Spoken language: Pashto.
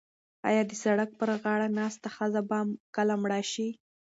ایا د سړک پر غاړه ناسته ښځه به کله مړه شي؟